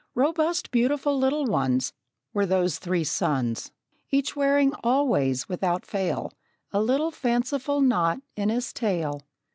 Robust, beautiful little ones Were those three sons, Each wearing always, without fail, A little fanciful knot in his tail.